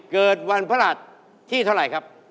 เกิดวันพระหัสที่เท่าไหร่ครับ